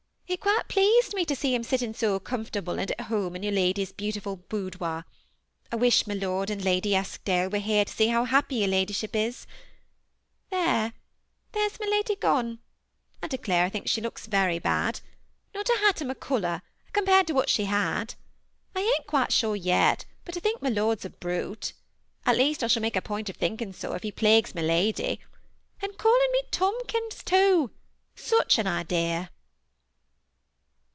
It quite pleased me to see him sitting so comfortable and at home in your ladyship's beautiful boudoir. I wish Lord and Lady Eskdale were here to see how happy your ladyship is. There! there's my lady gone; I 80 THE SEMI ATTACHED COUPLE. declare I think she looks Terj bad; not a hatom of color compared to what she had. I ain't quite sure yet but what I think my lord a brute ; at least I shall make a point of thinking so if he plagues my lady. And calling me Tomkins, too, — such an idea